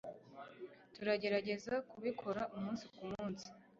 turagerageza kubikora umunsi kumunsi